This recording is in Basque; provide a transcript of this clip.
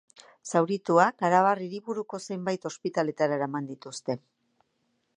Zaurituak arabar hiriburuko zenbait ospitaletara eraman dituzte.